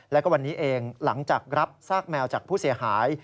แล้วก็วันนี้เองหลังจากรับซากแมวจากผู้เสียหาย